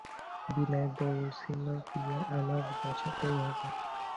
বিনয় বলছিল বিয়ে আমার বাসাতেই হবে।